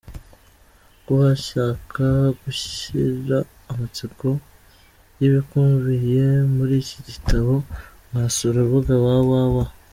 Ku bashaka gushira amatsiko y’ibikubiye muri iki gitabo, mwasura urubuga www.